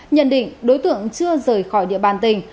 nhận định đối tượng chưa rời khỏi địa bàn tỉnh